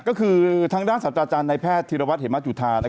ก็คือทางด้านสับจัดจันทย์ในแพทย์ถิ่ญละวัชเหมาะจุฐา